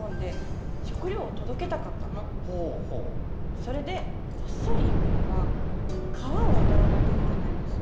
それでこっそり行くには川を渡らなきゃいけないんですよ。